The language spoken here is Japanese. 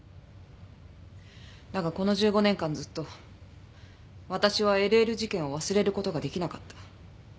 だがこの１５年間ずっと私はＬＬ事件を忘れることができなかった。